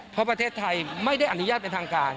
เพราะประเทศไทยไม่ได้อนุญาตเป็นทางการ